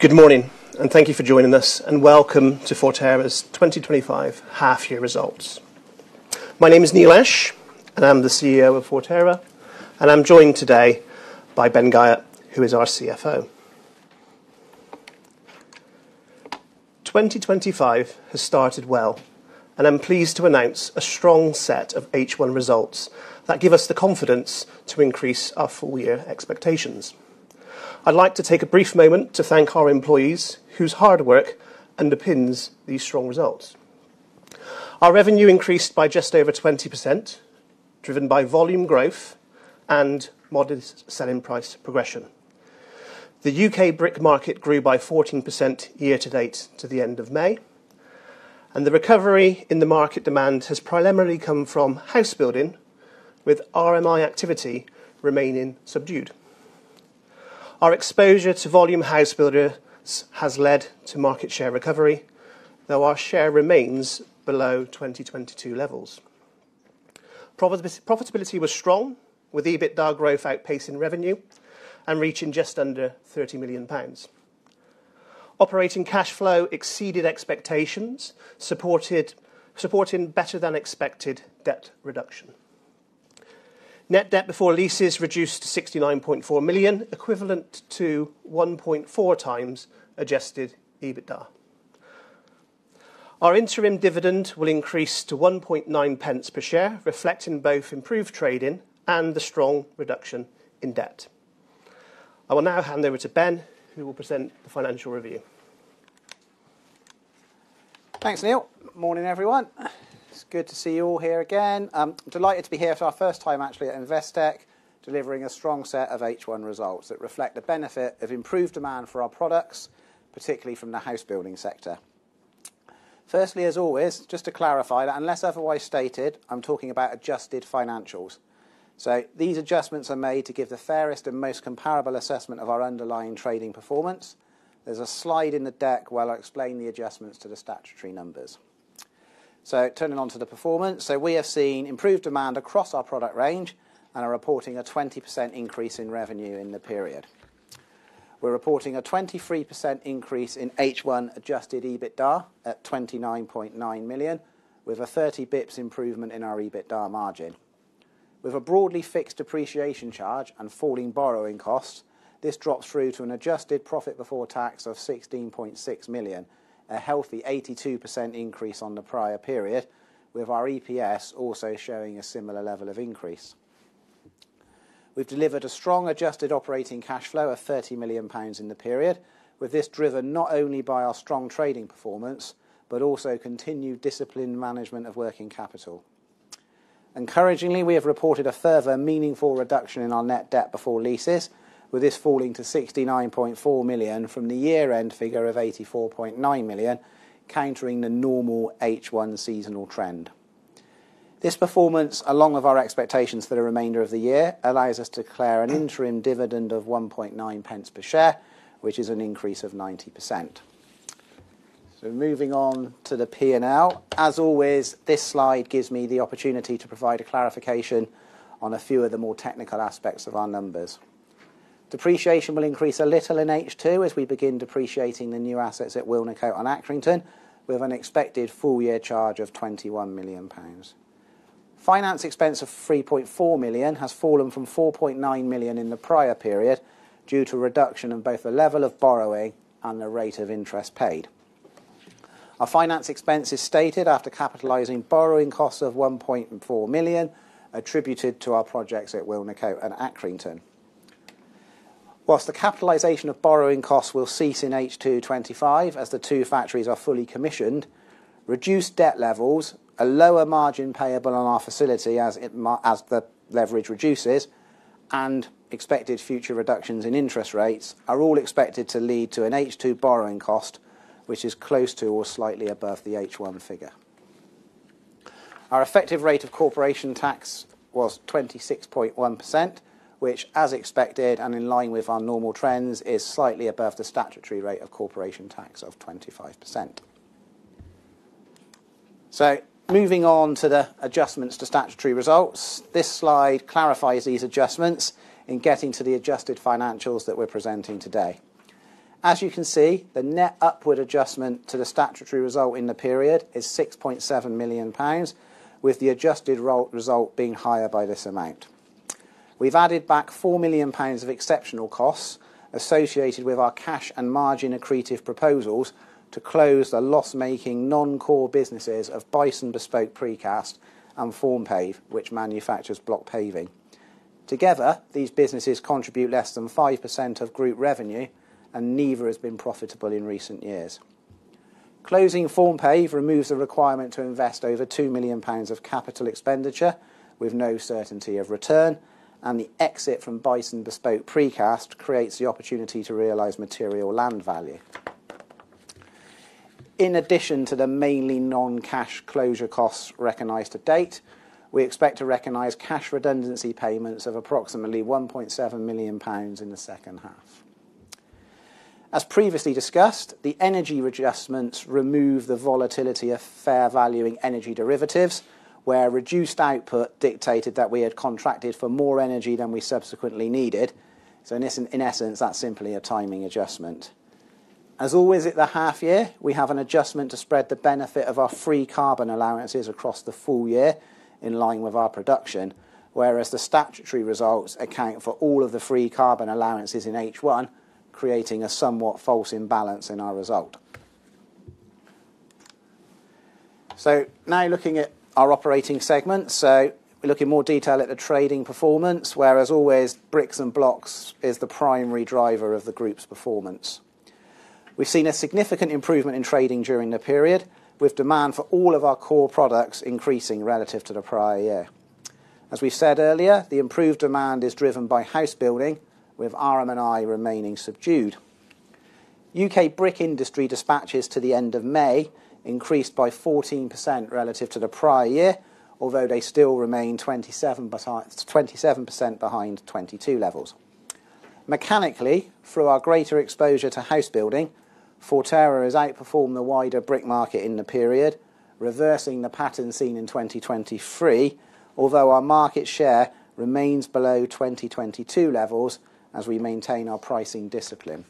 Good morning, and thank you for joining us. Welcome to Forterra's 2025 half-year results. My name is Neil Ash, and I'm the CEO of Forterra. I’m joined today by Ben Guyatt, our CFO. 2025 has started well, and I’m pleased to announce a strong set of H1 results that give us the confidence to raise our full-year expectations. I’d like to take a moment to thank our employees, whose hard work underpins these strong results. Our revenue increased by just over 20%, driven by volume growth and modest selling price progression. The UK brick market grew by 14% year to date through the end of May, with recovery in demand primarily from housebuilding, while RMI activity remained subdued. Our exposure to volume housebuilders has led to market share recovery, though our share remains below 2022 levels. Profitability was strong with EBITDA growth outpacing revenue and reaching just under £30 million. Operating cash flow exceeded expectations, supporting better than expected debt reduction. Net debt before leases reduced to £69.4 million, equivalent to 1.4 times adjusted EBITDA. Our interim dividend will increase to £0.019 per share, reflecting both improved trading and the strong reduction in debt. I will now hand over to Ben who will present the financial review. Thanks, Neil. Morning, everyone. It's good to see you all here again. Delighted to be here for our first time actually at Investec, delivering a strong set of H1 results that reflect the benefit of improved demand for our products, particularly from the house building sector. Firstly, as always, just to clarify that, unless otherwise stated, I'm talking about adjusted financials. These adjustments are made to give the fairest and most comparable assessment of our underlying trading performance. There's a slide in the deck where I explain the adjustments to the statutory numbers. Turning on to the performance, we are seeing improved demand across our product range and are reporting a 20% increase in revenue in the period. We're reporting a 23% increase in H1 adjusted EBITDA at £29.9 million with a 30 bps improvement in our EBITDA margin. With a broadly fixed depreciation charge and falling borrowing costs, this drops through to an adjusted profit before tax of £16.6 million, a healthy 82% increase on the prior period, with our EPS also showing a similar level of increase. We've delivered a strong adjusted operating cash flow of £30 million in the period, with this driven not only by our strong trading performance, but also continued disciplined management of working capital. Encouragingly, we have reported a further meaningful reduction in our net debt before leases, with this falling to £69.4 million from the year end figure of £84.9 million, countering the normal H1 seasonal trend. This performance, along with our expectations for the remainder of the year, allows us to declare an interim dividend of £0.019 per share, which is an increase of 90%. Moving on to the P&L, As always, this slide gives me the opportunity to clarify a few of the more technical aspects of our numbers. Depreciation will increase slightly in H2 as we begin depreciating the new assets at Wilnecote and Accrington, with an expected full-year charge of £21 million. Finance expense of £3.4 million has fallen from £4.9 million in the prior period due to reductions in both the level of borrowing and the interest rate paid. Our finance expense is stated after capitalizing borrowing costs of £1.4 million attributed to our projects at Wilnecote and Accrington. The capitalization of borrowing costs will cease in H2 2025 as both factories become fully commissioned. Reduced debt levels, a lower margin payable on our facility as the leverage reduces, and expected future reductions in interest rates are all expected to lead to an H2 borrowing cost which is close to or slightly above the H1 figure. Our effective rate of corporation tax was 26.1%, which, as expected and in line with our normal trends, is slightly above the statutory rate of corporation tax of 25%. Moving on to the adjustments to statutory results, this slide clarifies these adjustments in getting to the adjusted financials that we're presenting today. As you can see, the net upward adjustment to the statutory result in the period is £6.7 million. With the adjusted result being higher by this amount, we’ve added back £4 million of exceptional costs associated with our cash- and margin-accretive proposals to close the loss-making, non-core businesses of Bison Bespoke Precast and Formpave, which manufactures block paving. Together, these businesses contribute less than 5% of group revenue, and neither has been profitable in recent years. Closing Formpave removes the need to invest over £2 million of capital expenditure with no certainty of return, while the exit from Bison Bespoke Precast creates the opportunity to realize significant land value. In addition to the mainly non-cash closure costs recognized to date, we expect to record cash redundancy payments of approximately £1.7 million in the second half. As previously discussed, the energy adjustments remove volatility from the fair valuation of energy derivatives, where reduced output meant we had contracted for more energy than we ultimately needed. In essence, that’s simply a timing adjustment. As always at the half-year, we make an adjustment to spread the benefit of our free carbon allowances across the full year in line with production, whereas the statutory results account for all of the free carbon allowances in H1, creating a somewhat false imbalance in our results. Now, looking at our operating segments, we can examine the trading performance in more detail, where as always bricks and blocks remain the primary drivers of the Group’s performance. We’ve seen a significant improvement in trading during the period, with demand for all our core products increasing compared to the prior year. As mentioned earlier, the improved demand is driven by house building, with RMI activity remaining subdued. UK brick industry dispatches to the end of May increased by 14% relative to the prior year, although they still remain 27% below 2022 levels. Due to our greater exposure to house building, Forterra has outperformed the wider brick market during the period, reversing the pattern seen in 2023, though our market share is still below 2022 levels. Maintaining our pricing discipline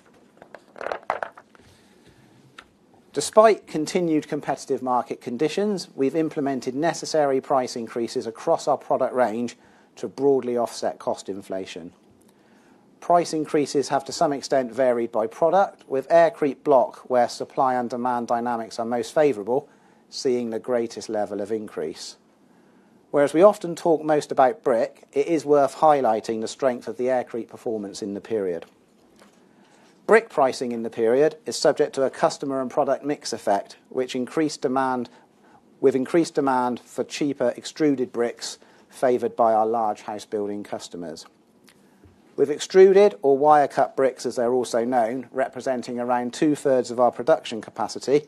amid continued competitive market conditions, we implemented necessary price increases across our product range to broadly offset cost inflation. Price increases varied by product, with aircrete blocks where supply and demand dynamics are most favorable seeing the highest level of increase. While we often focus on brick, it’s worth highlighting the strong aircrete performance during the period. Brick pricing in the period was affected by customer and product mix, with increased demand... With increased demand for cheaper extruded bricks favored by our large house building customers, with extruded or wire cut bricks, as they're also known, representing around two thirds of our production capacity,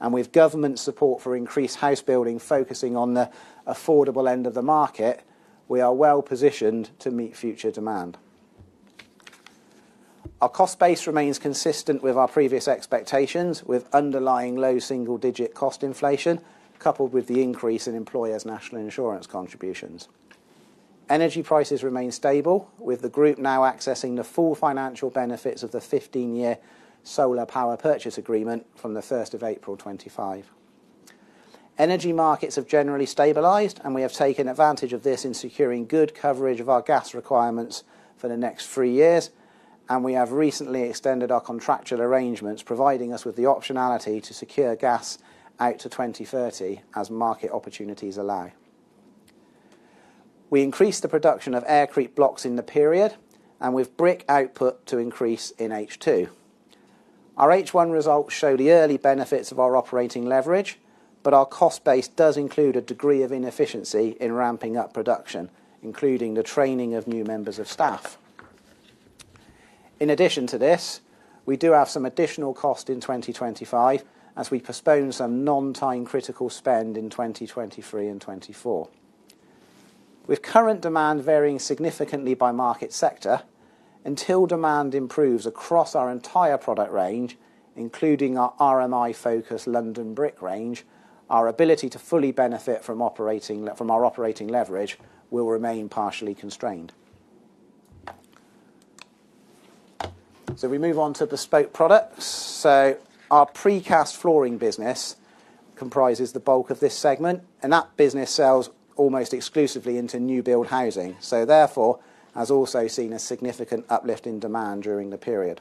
and with government support for increased house building focusing on the affordable end of the market, we are well positioned to meet future demand. Our cost base remains consistent with our previous expectations, with underlying low single digit cost inflation coupled with the increase in employers' national insurance contributions. Energy prices remain stable, with the group now accessing the full financial benefits of the 15-year solar power purchase agreement from April 1, 2025. Energy markets have generally stabilized, and we have taken advantage of this by securing good coverage of our gas requirements for the next three years. We have also recently extended our contractual arrangements, giving us the flexibility to secure gas out to 2030 as market opportunities allow. We increased production of aircrete blocks during the period, with brick output expected to rise in H2. Our H1 results demonstrate the early benefits of our operating leverage, though our cost base still reflects some inefficiencies as we ramp up production, including training new staff members. Additionally, we will incur some extra costs in 2025 as we postpone certain non-time-critical expenditures from 2023 and 2024, with current demand still varying significantly by market sector. Until demand improves across our entire product range, including our RMI-focused London Brick range our ability to fully benefit from operating leverage will remain partially constrained. Moving on to bespoke products, our precast flooring business represents the majority of this segment and sells almost exclusively into new-build housing. Consequently, it has also experienced a significant uplift in demand during the period.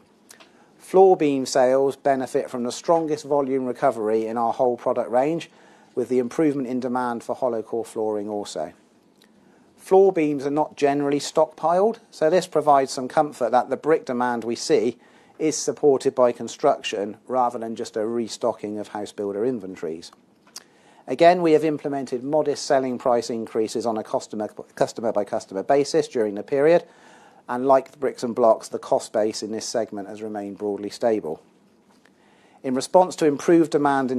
Floor beam sales have benefited from the strongest volume recovery in our entire product range, alongside improved demand for hollow-core flooring. Since floor beams are not generally stockpiled, this provides confidence that the increased brick demand we’re seeing is supported by actual construction activity rather than simply a restocking of housebuilder inventories. Again, we have implemented modest selling price increases on a customer-by-customer basis during the period, and, like bricks and blocks, the cost base in this segment has remained broadly stable. In response to stronger demand,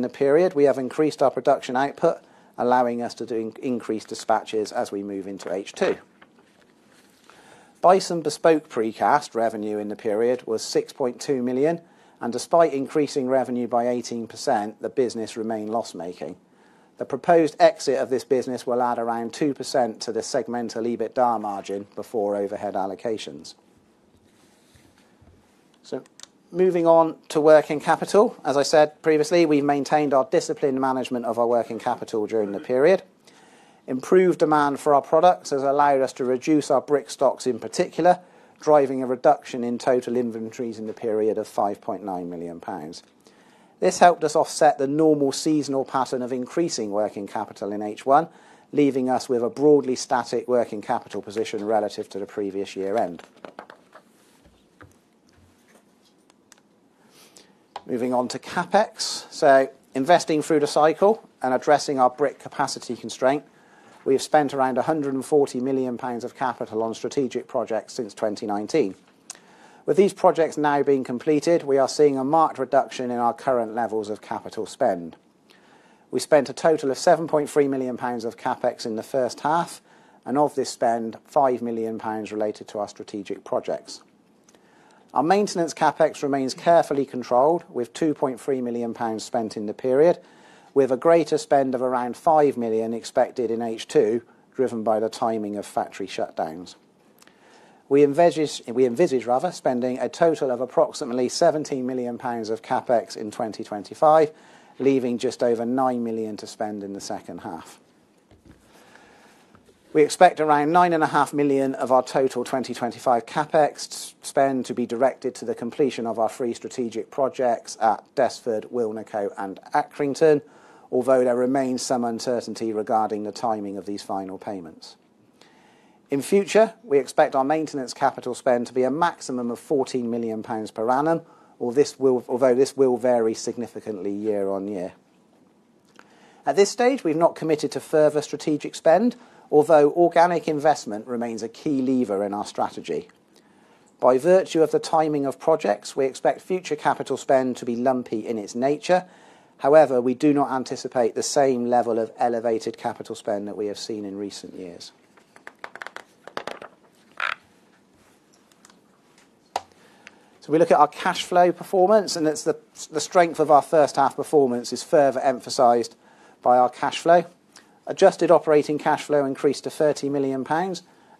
we increased production output, enabling higher dispatch volumes as we move into H2. Bison Bespoke Precast generated £6.2 million in revenue during the period, and although revenue rose by 18%, the business remained loss-making. The proposed exit of this business will add around 2% to the segmental EBITDA margin before overhead allocations. Moving on to working capital, as mentioned earlier, we maintained disciplined management throughout the period. Stronger product demand enabled us to reduce brick stocks, contributing to a total inventory reduction of £5.9 million during the period. This helped us offset the normal seasonal pattern of increasing working capital in H1, resulting in a broadly stable working capital position compared to the previous year-end. Moving on to CapEx investing through the cycle and addressing our brick capacity constraints we have spent approximately £140 million on strategic projects since 2019. With these projects now nearing completion, we are seeing a significant reduction in our current level of capital spending. During the first half, we spent a total of £7.3 million in CapEx, of which £5 million related to strategic projects. Our maintenance CapEx remains tightly controlled, with £2.3 million spent during the period. We expect a higher spend of around £5 million in H2, driven by the timing of factory shutdowns. We anticipate a total capital expenditure of approximately £17 million for 2025, leaving just over £9 million to be spent in the second half. Around £9.5 million of our total 2025 CapEx will be directed toward completing our three strategic projects at Desford, Wilnecote, and Accrington, though there remains some uncertainty around the timing of these final payments. In future years, we expect maintenance capital expenditure to reach a maximum of £14 million per annum, although this will vary considerably year to year. At this stage, we have not committed to additional strategic spending, but organic investment remains a key component of our strategy. Given the timing of various projects, we expect future capital expenditure to be uneven in nature; however, we do not anticipate returning to the elevated levels of spending seen in recent years. Looking at our cash flow performance, the strength of our first-half results is further highlighted by our cash generation. Adjusted operating cash flow rose to £30 million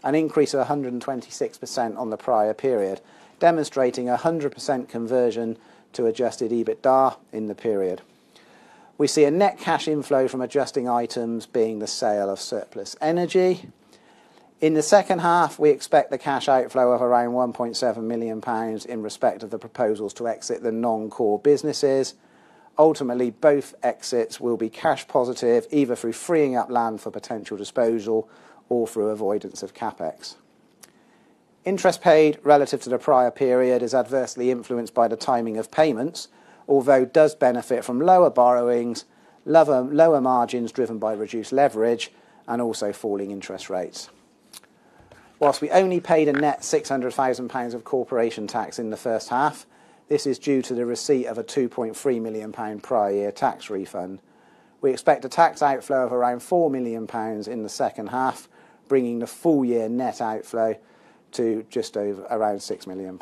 an increase of 126% compared to the prior period representing a 100% conversion to adjusted EBITDA. We also recorded a net cash inflow from adjusting items, primarily due to the sale of surplus energy. In the second half, we expect a cash outflow of around £1.7 million related to the planned exit from non-core businesses. Ultimately, both exits are expected to be cash positive, either by freeing up land for potential disposal or by avoiding further capital expenditures. Interest payments compared to the prior period were affected by timing differences, though they benefited from lower borrowings, reduced margins due to lower leverage, and declining interest rates. Whilst we only paid a net £600,000 of corporation tax in the first half, this reflects the receipt of a £2.3 million prior-year tax refund. We expect a tax outflow of around £4 million in the second half, bringing the full-year net outflow to just over £6 million.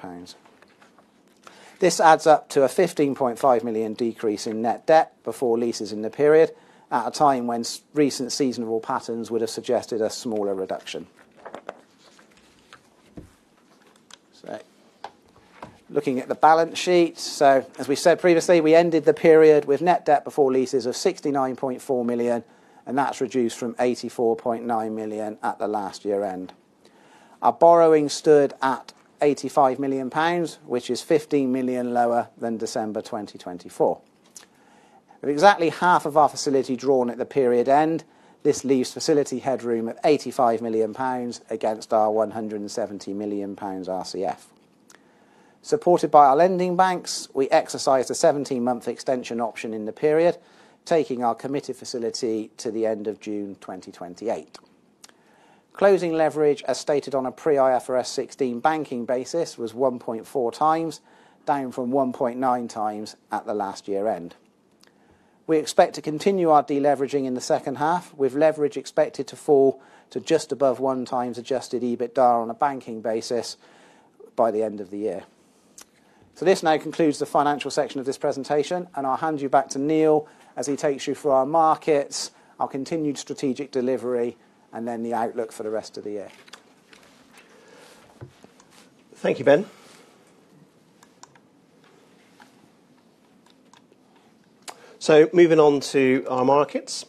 This results in a £15.5 million decrease in net debt before leases during the period, at a time when seasonal trends would typically suggest a smaller reduction. Looking at the balance sheet, as previously mentioned, we ended the period with net debt before leases of £69.4 million, down from £84.9 million at the end of the previous year. Borrowings stood at £85 million, £15 million lower than December 2024, with exactly half of our facility drawn at the period end. This leaves facility headroom of £85 million against our £170 million revolving credit facility, supported by our lending banks. We exercised a 17-month extension option during the period, extending our committed facility to the end of June 2028. Closing leverage, on a pre-IFRS 16 banking basis, was 1.4 times down from 1.9 times at the previous year-end. We expect to continue deleveraging in the second half, with leverage projected to fall to just above 1x adjusted EBITDA on a banking basis by year-end. This concludes the financial section of the presentation, and I’ll now hand back to Neil, who will discuss our markets, continued strategic delivery, and outlook for the remainder of the year. Thank you, Ben. Moving on to our markets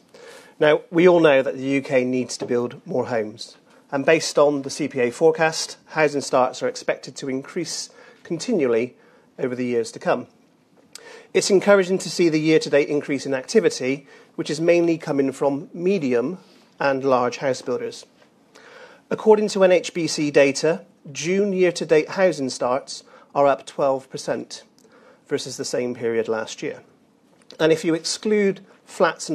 now, we all recognize that the UK urgently needs to build more homes, and based on CPA forecasts, housing starts are expected to rise steadily over the coming years. It’s encouraging to see year-to-date growth in activity, driven mainly by medium and large housebuilders. According to NHBC data, housing starts to June year-to-date are up 12% compared to the same period last year. Excluding flats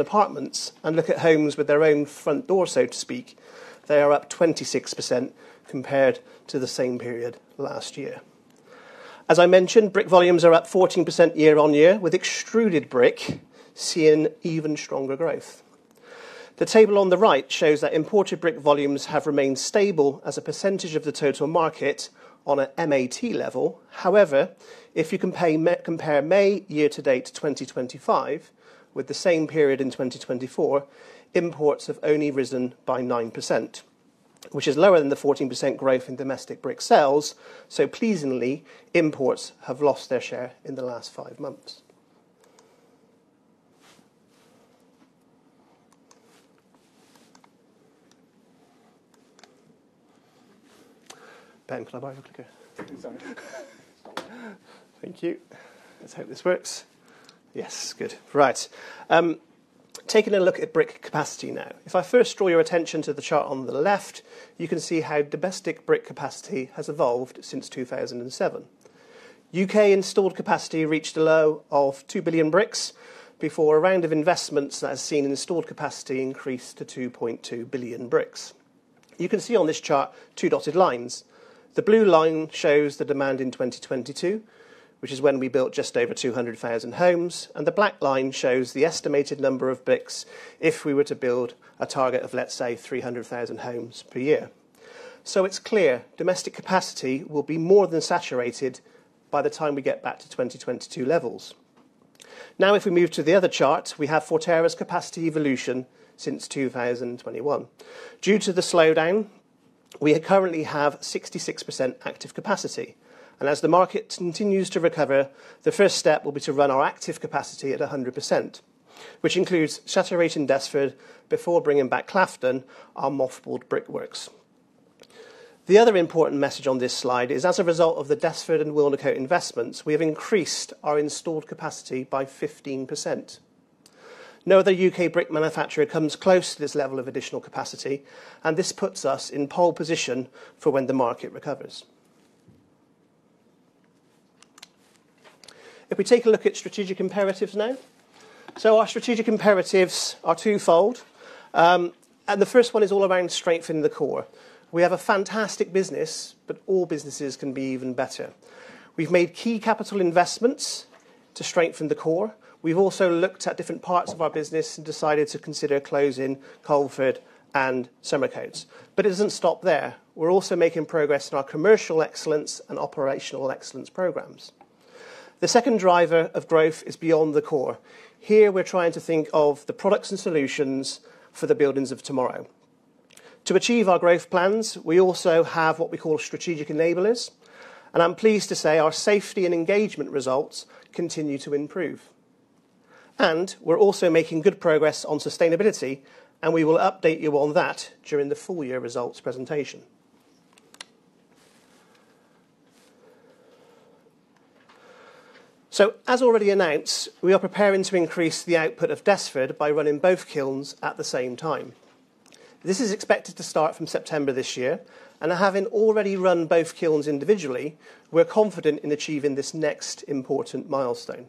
and apartments, homes with individual entrances are up 26% year-on-year. As I mentioned earlier, brick volumes are up 14% compared to last year, with extruded brick showing even stronger growth. The table on the right highlights that imported brick volumes have remained stable as a share of the total market on an MAT basis. However, if you compare May year to date 2025 with the same period in 2024, imports have increased by only 9%, which is below the 14% growth in domestic brick sales. Encouragingly, imports have lost market share over the last five months. Ben, can I borrow your clicker? Thank you. Let’s hope this works yes, good. Now, focusing on brick capacity, if you look at the chart on the left, you can see how domestic brick capacity has evolved since 2007. UK installed capacity reached a low of 2 billion bricks before subsequent investments raised installed capacity to 2.2 billion. On this chart, two dotted lines appear: the blue line represents 2022 demand, when the UK built just over 200,000 homes. The black line shows the estimated number of bricks required if we were to build around 300,000 homes per year. It’s clear that domestic capacity would be more than saturated once we return to 2022 demand levels. Moving to the chart on the right, it illustrates Forterra’s capacity evolution since 2021. Due to the recent slowdown, we are currently operating at 66% active capacity. As the market continues to recover, our first step will be to fully utilize our existing active capacity including ramping up Desford before reactivating Clafton, our mothballed brickworks. Another key takeaway from this slide is that, through our investments in Desford and Wilnecote, we have expanded our installed capacity by 15%. No other UK brick manufacturer has added this level of new capacity, positioning us strongly as market conditions improve. If we take a look at strategic imperatives now. our strategic imperatives these are centered on two main areas. The first is strengthening the core. We already have a fantastic business, but there’s always room for improvement. We’ve made major capital investments to reinforce our core operations and have also evaluated parts of the business, leading us to consider closing Colford and Summercodes. Alongside this, we’re advancing our Commercial Excellence and Operational Excellence programs. The second imperative is growing beyond the core developing products and solutions for the buildings of tomorrow to support our long-term growth ambitions. We also have what we call strategic enablers, and I’m pleased to report continued improvement in both safety and employee engagement results. Additionally, we’re making solid progress in sustainability, with further updates to be shared during our full-year results presentation. As already announced, we are preparing to increase the output of Desford by running both kilns at the same time. This is expected to start from September this year, and having already run both kilns individually, we're confident in achieving this next important milestone.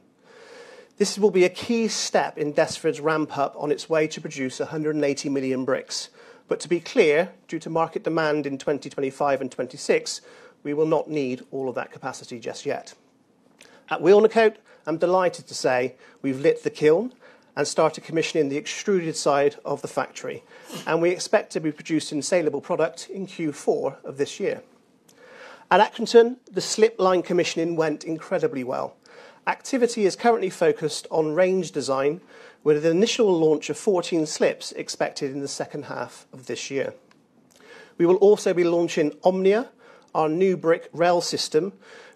This will be a key step in Desford's ramp up on its way to produce 180 million bricks. To be clear, due to market demand in 2025 and 2026, we will not need all of that capacity just yet. At Wilnecote, I'm delighted to say we've lit the kiln and started commissioning the Extruded side of the factory, and we expect to be producing saleable product in Q4 of this year. At Accrington, the slip line commissioning went incredibly well. Activity is currently focused on range design, with an initial launch of 14 slips expected in the second half of this year. We will also be launching Omnia, our new brick rail system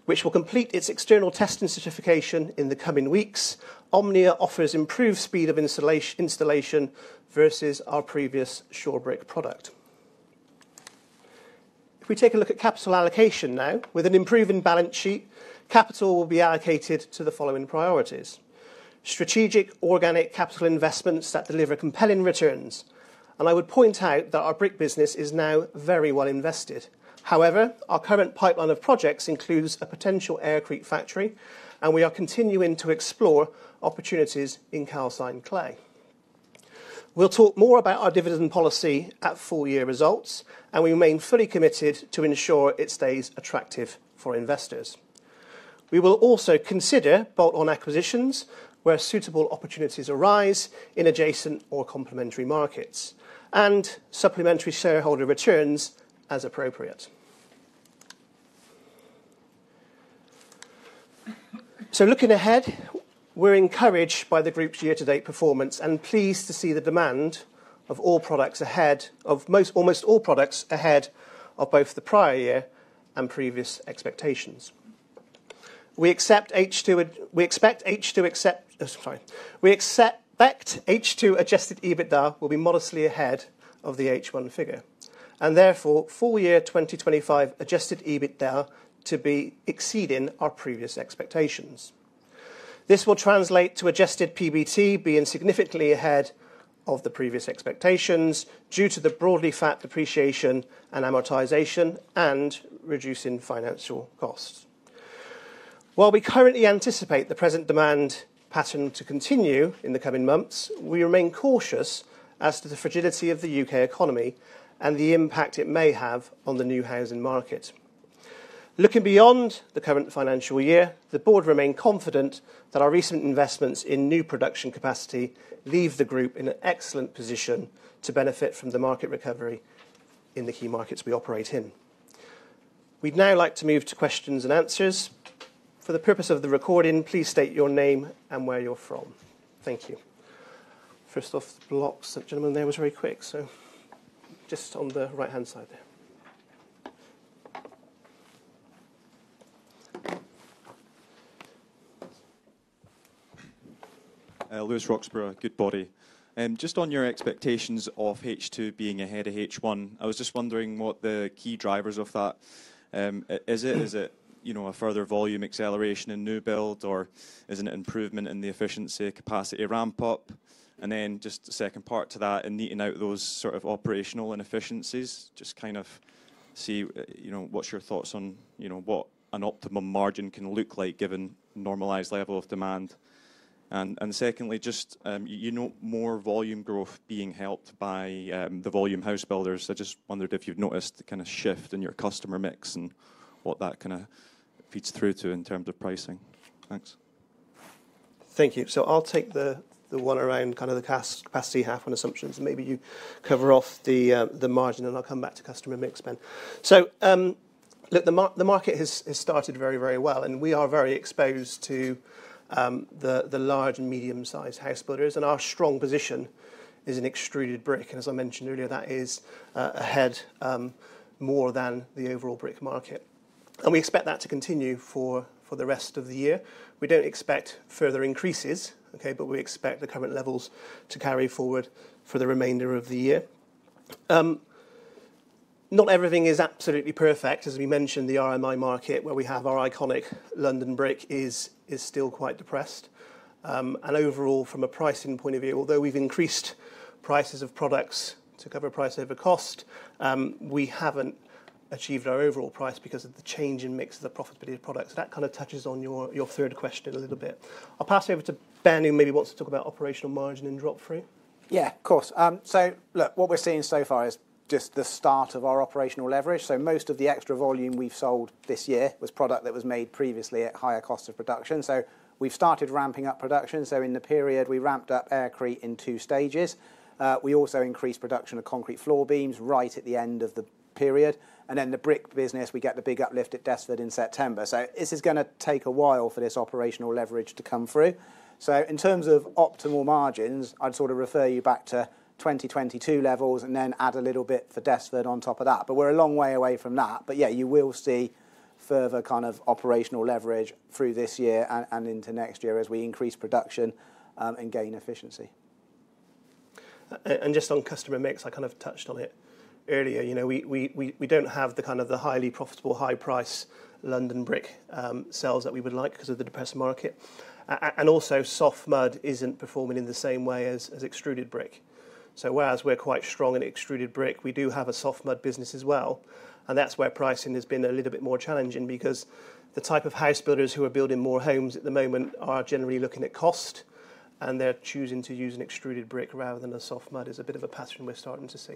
which is completing its external testing and certification in the coming weeks. Omnia delivers faster installation compared to our previous Shore Brick system. Moving to capital allocation, with a stronger balance sheet, our capital will be focused on several key priorities: strategic organic investments offering compelling returns, and I’d highlight that our brick operations are now very well invested. Our current pipeline includes a potential new Aircrete factory, and we’re actively exploring opportunities in Calcined clay. We’ll provide an update on our dividend policy during the full-year results and remain committed to maintaining it as attractive to investors. Additionally, we’ll consider bolt-on acquisitions in adjacent or complementary markets, as well as supplementary shareholder returns where appropriate. Looking ahead, we're encouraged by the group's year-to-date performance and pleased to see the demand of almost all products ahead of both the prior year and previous expectations. We expect H2 adjusted EBITDA will be modestly ahead of the H1 figure and therefore full year 2025 adjusted EBITDA to be exceeding our previous expectations. This will translate to adjusted PBT being significantly ahead of the previous expectations due to the broadly flat depreciation and amortization and reducing financial costs. While we currently anticipate the present demand pattern to continue in the coming months, we remain cautious as to the fragility of the UK economy and the impact it may have on the new housing market. Looking beyond the current financial year, the board remain confident that our recent investments in new production capacity leave the group in an excellent position to benefit from the market recovery in the key markets we operate in. We'd now like to move to questions and answers for the purpose of the recording. Please state your name and where you're from. Thank you. First off, blocks, the gentleman there was very quick. Just on the right-hand side. There. Lewis Roxburgh, Goodbody. Just on your expectations of H2 being ahead of H1, I was just wondering what the key drivers of that are. Is it a further volume acceleration in new build, or is it an improvement in the efficiency capacity ramp up? The second part to that, in neating out those sort of operational inefficiencies, just kind of see what your thoughts are on what an optimum margin can look like given normalized level of demand. Secondly, just more volume growth being helped by the volume house builders. I just wondered if you've noticed the kind of shift in your customer mix and what that kind of feeds through to in terms of pricing. Thanks. Thank you. I'll take the one around kind of the Bassey half one assumptions and maybe you cover off the margin and I'll come back to customer mix, Ben. The market has started very, very well and we are very exposed to the large and medium sized householders and our strong position is in extruded brick. As I mentioned earlier, that is ahead more than the overall brick market. We expect that to continue for the rest of the year. We don't expect further increases, but we expect the current levels to carry forward for the remainder of the year. Not everything is absolutely perfect. As we mentioned, the RMI market where we have our iconic London Brick is still quite depressed. Overall, from a pricing point of view, although we've increased prices of products to cover price over cost, we haven't achieved our overall price because of the change in mix of the profitability of products. That kind of touches on your third question a little bit. I'll pass over to Ben who maybe wants to talk about operational margin in drop free. Yeah, of course. What we're seeing so far is just the start of our operational leverage. Most of the extra volume we've sold this year was product that was made previously at higher cost of production. We've started ramping up production. In the period we ramped up aircrete in two stages, and we also increased production of concrete floor beams right at the end of the period. In the brick business, we get the big uplift at Desford in September. This is going to take a while for this operational leverage to come through. In terms of optimal margins, I'd sort of refer you back to 2022 levels and then add a little bit for Desford on top of that. We're a long way away from that. You will see further kind of operational leverage through this year and into next year as we increase production and gain efficiency. Just on customer mix, I kind of touched on it earlier. We don't have the highly profitable, high price London Brick sales that we would like because of the depressed market. Also, Soft mud isn't performing in the same way as Extruded brick. Whereas we're quite strong in Extruded brick, we do have a Soft mud business as well. That's where pricing has been a little bit more challenging because the type of house builders who are building more homes at the moment are generally looking at cost, and they're choosing to use an Extruded brick rather than a Soft mud. It's a bit of a pattern we're starting to see.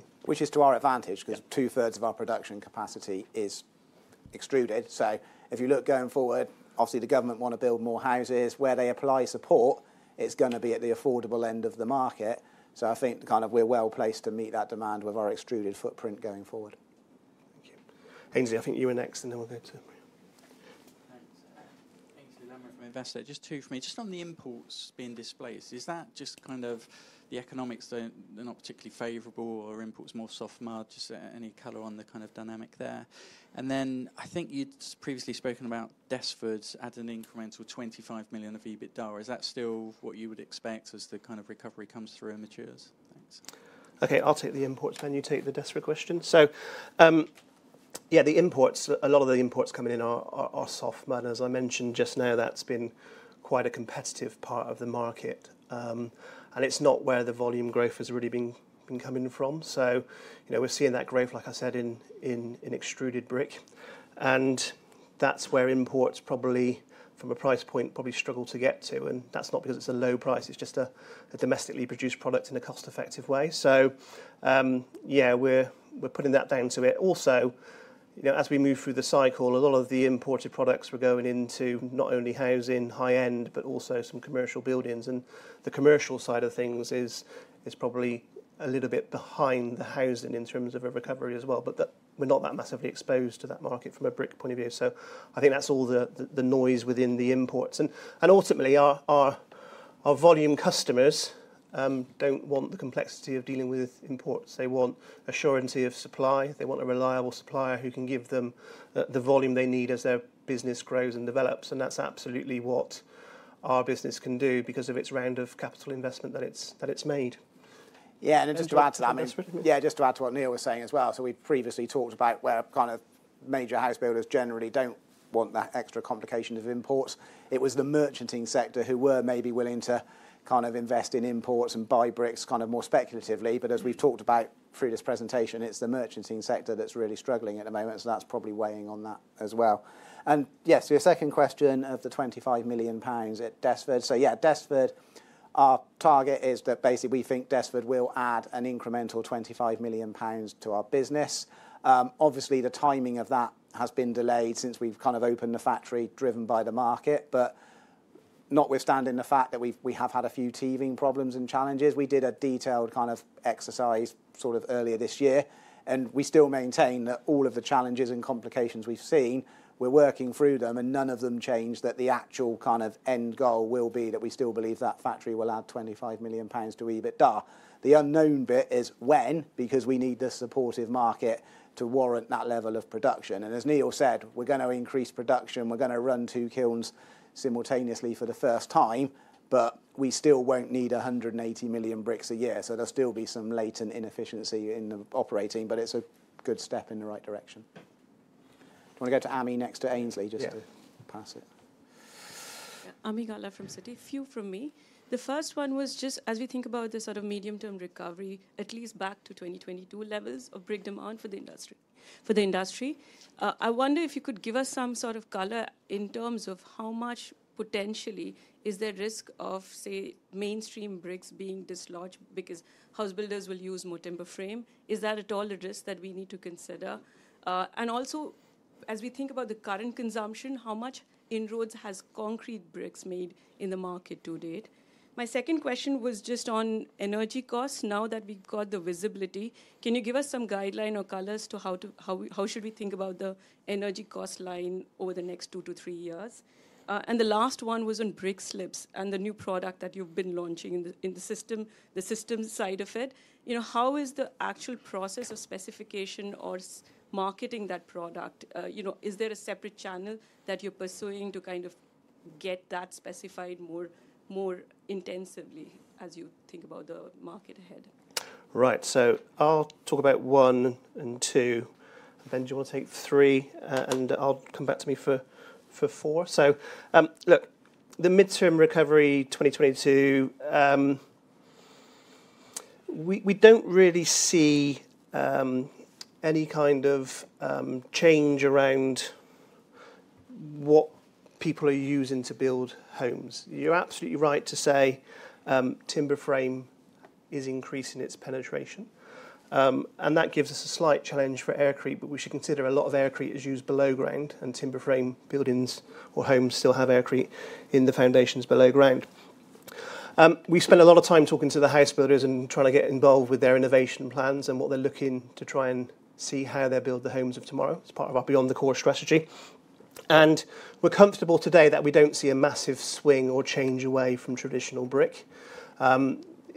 Our advantage, is that two-thirds of our production capacity is extruded. Looking ahead, the government’s push to build more houses will likely focus on the affordable end of the market. We’re well positioned to meet that demand with our extruded brick footprint moving forward. Ainsley, I think you were next in all there too. Thanks. Thanks to the number of investors. Just two for me. Just on the imports being displaced, is that just kind of the economics, they're not particularly favorable or imports more soft mud? Just any color on the kind of dynamic there, and then I think you'd previously spoken about Desford at an incremental £25 million of EBITDA. Is that still what you would expect as the kind of recovery comes through and matures? Thanks. Okay, I'll take the imports then you take the Desford question. The imports, a lot of the imports coming in are soft mud. As I mentioned just now, that's been quite a competitive part of the market and it's not where the volume growth has really been coming from. We're seeing that growth, like I said, in extruded brick. That's where imports probably from a price point probably struggle to get to. That's not because it's a low price, it's just a domestically produced product in a cost effective way. We're putting that down to it also. As we move through the cycle, a lot of the imported products were going into not only housing high end, but also some commercial buildings. The commercial side of the business is still lagging behind housing in terms of recovery. We’re not heavily exposed to that market from a brick perspective. I think that’s where most of the noise around imports comes from. Ultimately, our volume customers prefer reliability over complexity. They want a dependable supplier who can provide consistent volume as their business grows. That’s exactly what we offer, supported by our recent round of capital investments. To add to Neil’s point, large house builders generally avoid the complications of using imports. It was mainly the merchanting sector that engaged in importing and speculative buying. As we’ve discussed, that sector is struggling right now, which is likely contributing to the reduced imports. On your second question regarding Desford’s £25 million, our target remains that Desford will add an incremental £25 million to our business. The timing has been delayed since the factory opened, primarily due to market conditions. Not with standing the fact that we have had a few teething problems and challenges, we did a detailed kind of exercise earlier this year and we still maintain that all of the challenges and complications we've seen, we're working through them and none of them change that. The actual end goal will be that we still believe that factory will add £25 million to EBITDA. The unknown bit is when, because we need the supportive market to warrant that level of production. As Neil said, we're going to increase production. We're going to run two kilns simultaneously for the first time, but we still won't need 180 million bricks a year. There'll still be some latent inefficiency in the operating, but it's a good step in the right direction. I want to go to Ami next to Ainsley, just to pass it Ami. Gala from Citi, few from me. The first one was just as we think about the sort of medium term recovery, at least back to 2022 levels of brick demand for the industry. I wonder if you could give us some sort of color in terms of how much potentially is there risk of, say, mainstream bricks being dislodged because house builders will use more timber frame? Is that at all a risk that we need to consider? Also, as we think about the current consumption, how much inroads has concrete bricks made in the market to date? My second question was just on energy costs. Now that we got the visibility, can you give us some guideline or colors to how should we think about the energy cost line over the next two to three years? The last one was on brick slips and the new product that you've been launching in the system, the system side of it, how is the actual process of specification or marketing that product? Is there a separate channel that you're pursuing to kind of get that specified more intensively as you think about the market ahead? Right, I'll talk about one and two. Ben Guyatt will take three and I'll come back to me for four. Look, the midterm recovery 2022. We. Don't really see any kind of change around what people are using to build homes. You're absolutely right to say timber frame is increasing its penetration and that gives us a slight challenge for aircrete, but we should consider a lot of aircrete is used below ground and timber frame buildings or homes still have aircrete in the foundations below ground. We spent a lot of time talking to the house builders and trying to get involved with their innovation plans and what they're looking to try and see how they build the homes of tomorrow. It's part of our Beyond the Core strategy and we're comfortable today that we don't see a massive swing or change away from traditional brick.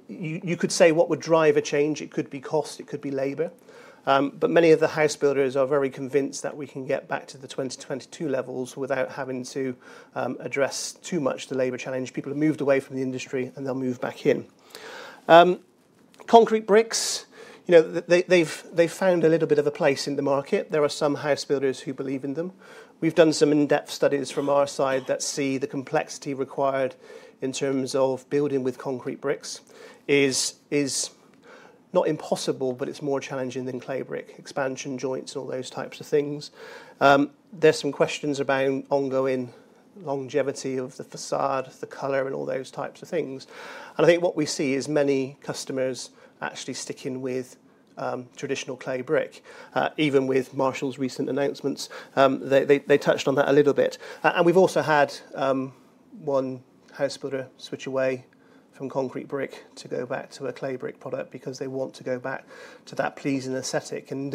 You could say what would drive a change. It could be cost, it could be labor. Many of the house builders are very convinced that we can get back to the 2022 levels without having to address too much the labor challenge. People have moved away from the industry and they'll move back in. Concrete bricks, you know, they found a little bit of a place in the market. There are some house builders who believe in them. We've done some in-depth studies from our side that see the complexity required in terms of building with concrete bricks is not impossible, but it's more challenging than clay brick, expansion joints and all those types of things. There's some questions about ongoing longevity of the facade, the color and all those types of things. I think what we see is many customers actually sticking with traditional clay brick. Even with Marshalls' recent announcements, they touched on that a little bit. We've also had one house builder switch away from concrete brick to go back to a clay brick product because they want to go back to that pleasing aesthetic. We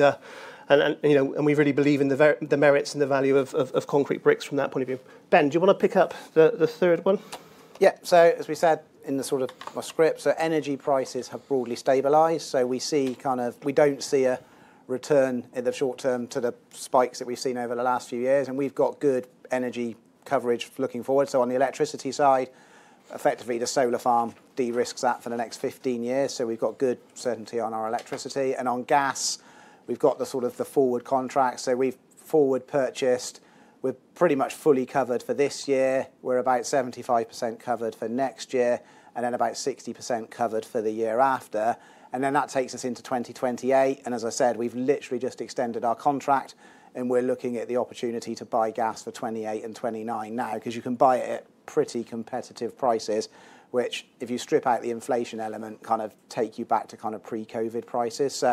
really believe in the merits and the value of concrete bricks from that point of view. Ben, do you want to pick up the third one? Yeah. As we said in my script, energy prices have broadly stabilized. We don't see a return in the short term to the spikes that we've seen over the last few years. We've got good energy coverage looking forward. On the electricity side, effectively the solar farm de-risks that for the next 15 years. We've got good certainty on our electricity, and on gas, we've got the forward contract. We've forward purchased. We're pretty much fully covered for this year, we're about 75% covered for next year, and then about 60% covered for the year after. That takes us into 2028. As I said, we've literally just extended our contract and we're looking at the opportunity to buy gas for 2028 and 2029 now because you can buy it at pretty competitive prices, which, if you strip out the inflation element, kind of take you back to pre-Covid prices.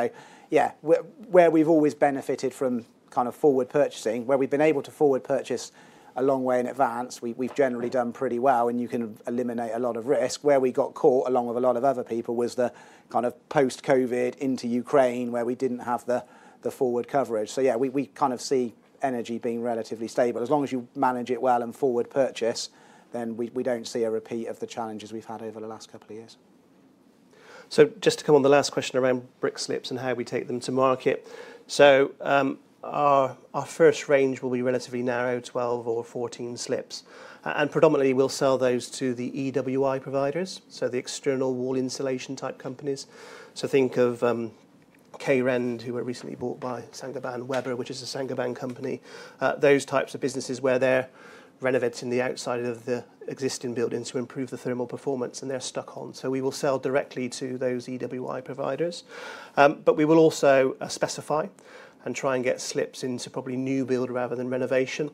We've always benefited from forward purchasing. Where we've been able to forward purchase a long way in advance, we've generally done pretty well and you can eliminate a lot of risk. Where we got caught, along with a lot of other people, was the post-Covid into Ukraine period where we didn't have the forward coverage. We see energy being relatively stable. As long as you manage it well and forward purchase, we don't see a repeat of the challenges we've had over the last couple of years. To come on the last question around brick slips and how we take them to market, our first range will be relatively narrow, 12 or 14 slips, and predominantly we'll sell those to the EWI providers, the external wall insulation type companies. Think of Krend, who were recently bought by Saint-Gobain Weber, which is a Saint-Gobain company. Those types of businesses where they're renovating the outside of the existing buildings to improve the thermal performance and they're stuck on. We will sell directly to those EWI providers, but we will also specify and try and get slips into probably new build rather than renovation,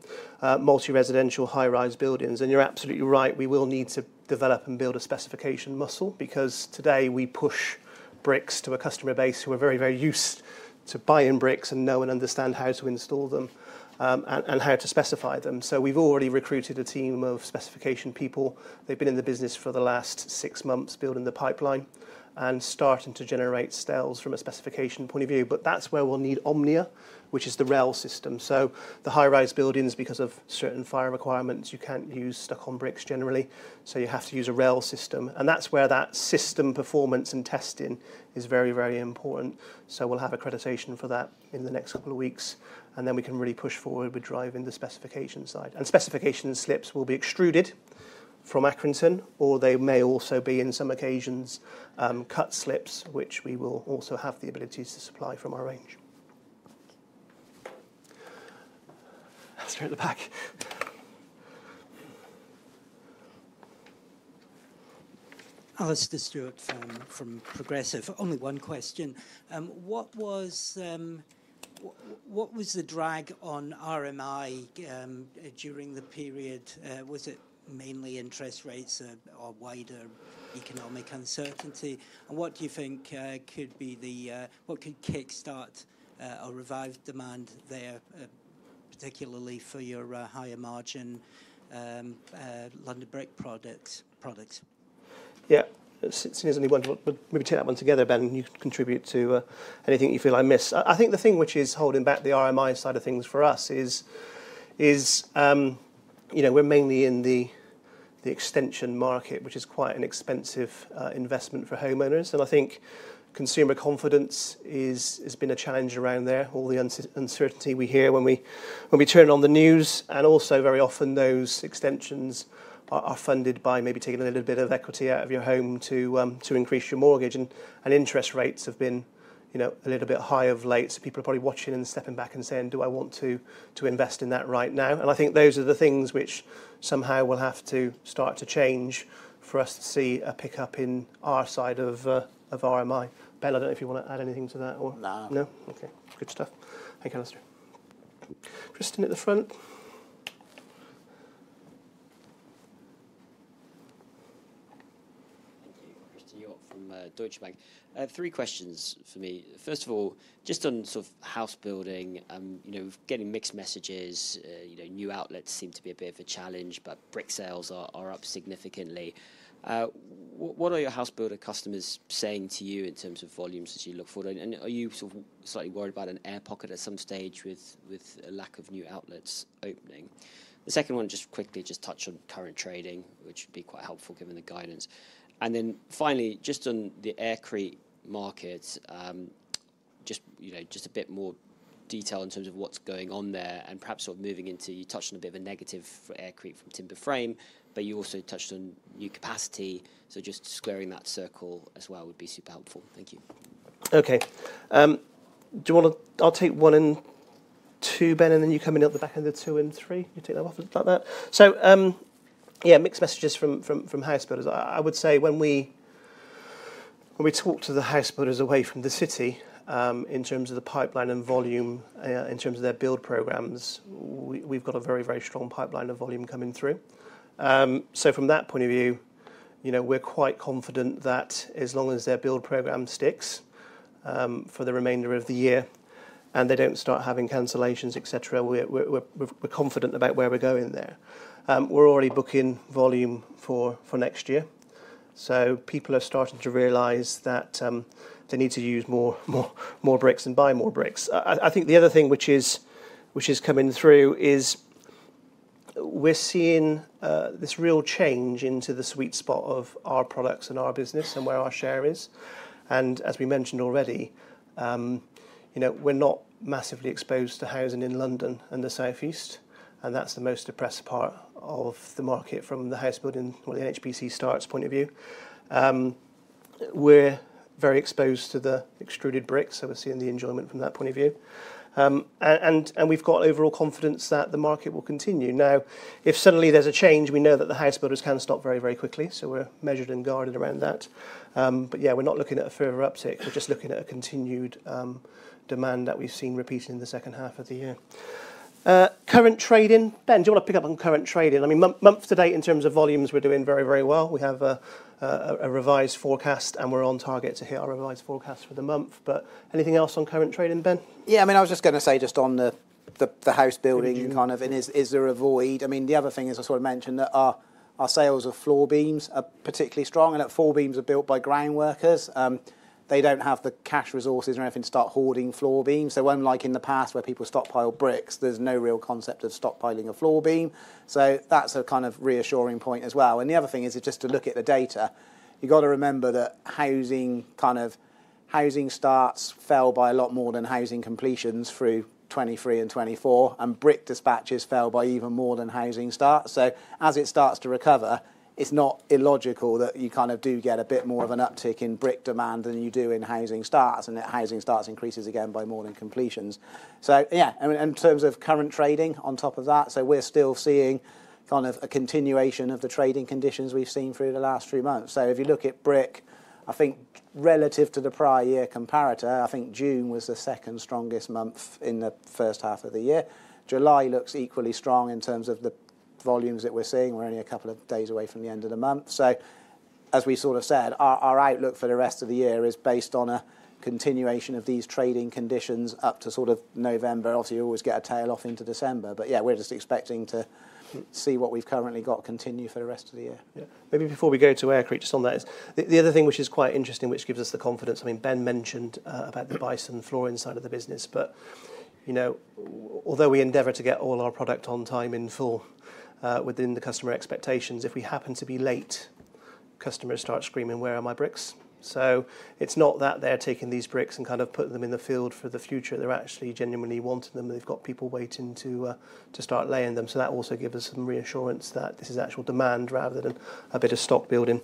multi-residential high-rise buildings. You're absolutely right, we will need to develop and build a specification muscle because today we push bricks to a customer base who are very, very used to bricks and know and understand how to install them and how to specify them. We've already recruited a team of specification specialists who’ve been with us for the last six months, building the pipeline and generating sales through specification. That’s where Omnia, our rail system, comes in. For high-rise buildings, certain fire safety requirements mean you generally can’t use stuck-on bricks; instead, you must use a rail system. That’s why system performance and testing are crucial. We expect accreditation for this within the next couple of weeks, after which we can push forward on the specification side. The specification slips will be extruded from Accrington, and in some cases, we’ll also supply cut slips from our existing range. Alistair Stewart from Progressive. Only one question. What was the drag on RMI during the period? Was it mainly interest rates or wider economic uncertainty? What do you think could be the, what could kickstart or revive demand there, particularly for your higher margin London Brick product? Yeah, it seems. Anyone maybe take that one together? Ben, you contribute to anything you feel I miss. I think the thing which is holding back the RMI side of things for us is we're mainly in the extension market, which is quite an expensive investment for homeowners. I think consumer confidence has been a challenge around there. All the uncertainty we hear when we turn on the news. Also, very often those extensions are funded by maybe taking a little bit of equity out of your home to increase your mortgage. Interest rates have been a little bit high of late, so people are probably watching and stepping back and saying, do I want to invest in that right now? I think those are the things which somehow will have to start to change for us to see a pickup in our side of RMI. Ben, I don't know if you want to add anything to that or. No, no. Okay, good stuff. Thank Alistair, Kristen at the front. Thank you, Mr. York from Deutsche Bank. Three questions for me. First of all, just on sort of. House building, you know, getting mixed messages. You know, new outlets seem to be. A bit of a challenge, but brick. Sales are up significantly. What are your house builder customers saying to you in terms of volumes as you look forward? Are you sort of slightly worried? About an air pocket at some stage. With a lack of new outlets opening? The second one, just quickly, just touched on current trading, which would be quite helpful given the guidance. Finally, just on the aircrete market, just a bit more detail in terms of what's going on there and perhaps sort of moving into. You touched on a bit of a. Negative for aircrete from timber frame. You also touched on new capacity. Just squaring that circle as well. Would be super helpful. Thank you. Okay, do you want to. I'll take one and two, Ben. Then you come in at the back end of two and three, you take them off like that. Yeah, mixed messages from house builders. I would say when we talk to the house builders away from the city in terms of the pipeline and volume in terms of their build programs, we've got a very, very strong pipeline of volume coming through. From that point of view, we're quite confident that as long as their build program sticks for the remainder of the year and they don't start having cancellations, etc., we're confident about where we're going there. We're already booking volume next year, so people have started to realize that they need to use more bricks and buy more bricks. I think the other thing which is coming through is we're seeing this real change into the sweet spot of our products and our business and where our share is. As we mentioned already, we're not massively exposed to housing in London and the southeast. That's the most depressed part of the market from the house building or the HPC starts point of view. We're very exposed to the extruded bricks. We're seeing the enjoyment from that point of view and we've got overall confidence that the market will continue. If suddenly there's a change, we know that the house builders can stop very, very quickly. We're measured and guarded around that. We're not looking at a further uptick. We're just looking at a continued demand that we've seen repeated in the second half of the year. Current trading. Ben, do you want to pick up on current trading? I mean, month to date in terms of volumes? We're doing very, very well. We have a revised forecast and we're on target. Revised forecast for the month. Anything else on current trading, Ben? Yeah, I mean, I was just going to say just on the house building kind of. Is there a void? The other thing is I sort of mentioned that our sales of floor beams are particularly strong and that floor beams are built by ground workers. They don't have the cash, resources or anything to start hoarding floor beams. Unlike in the past where people stockpile bricks, there's no real concept of stockpiling a floor beam. That's a kind of reassuring point as well. The other thing is just to look at the data, you gotta remember that housing starts fell by a lot more than housing completions through 2023 and 2024 and brick dispatches fell by even more than housing starts. As it starts to recover, it's not illogical that you do get a bit more of an uptick in brick demand than you do in housing starts and that housing starts increases again by more than completions. Yeah, in terms of current trading on top of that, we're still seeing kind of a continuation of the trading conditions we've seen through the last three months. If you look at brick, I think relative to the prior year comparator, I think June was the second strongest month in the first half of the year. July looks equally strong in terms of the volumes that we're seeing. We're only a couple of days away from the end of the month. As we sort of said, our outlook for the rest of the year is based on a continuation of these trading conditions up to November. Obviously you always get a tail off into December, but yeah, we're just expecting to see what we've currently got continue for the rest of. Of the year. Maybe before we go to aircrete, just on that is the other thing, which is quite interesting, which gives us the confidence. I mean, Ben mentioned about the Bison flooring side of the business, but although we endeavor to get all our product on time in full within the customer expectations, if we happen to be late, customers start screaming, where are my bricks? It's not that they're taking these bricks and kind of putting them in the field for the future, they're actually genuinely wanting them. They've got people waiting to start laying them. That also gives us some reassurance that this is actual demand rather than a bit of stock building.